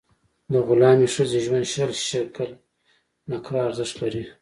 د غلامي ښځې ژوند شل شِکِل نقره ارزښت لري.